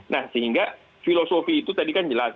nah sehingga filosofi itu tadi kan jelas